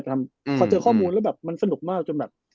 พอเจอข้อมูลแล้วแบบมันสนุกมากจนแบบ